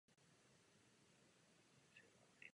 V současnosti se zde těží především olovo.